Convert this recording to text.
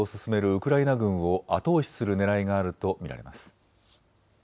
ウクライナ軍を後押しするねらいがあると見られます。